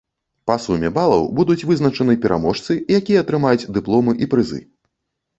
Па суме балаў будуць вызначаны пераможцы, якія атрымаюць дыпломы і прызы.